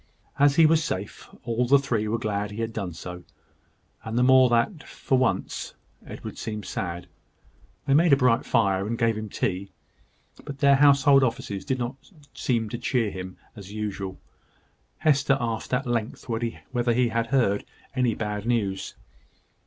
As he was safe, all the three were glad he had done so; and the more that, for once, Edward seemed sad. They made a bright fire, and gave him tea; but their household offices did not seem to cheer him as usual. Hester asked, at length, whether he had heard any bad news.